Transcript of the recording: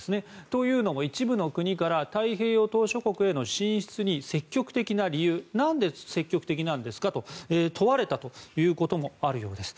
というのも一部の国から太平洋島しょ国の進出に積極的な理由なんで積極的なんですか？と問われたということもあるようなんです。